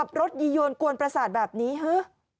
รถยียวนกวนประสาทแบบนี้ฮะ